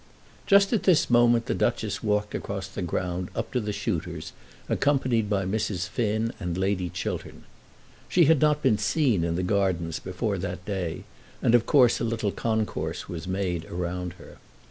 Just at this moment the Duchess walked across the ground up to the shooters, accompanied by Mrs. Finn and Lady Chiltern. She had not been seen in the gardens before that day, and of course a little concourse was made round her.